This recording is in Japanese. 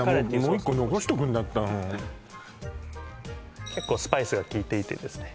もう一個残しとくんだった結構スパイスが効いていてですね